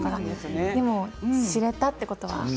でも知れたということは。